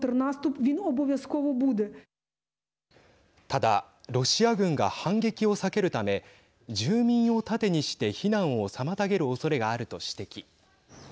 ただロシア軍が反撃を避けるため住民を盾にして避難を妨げるおそれがあると指摘。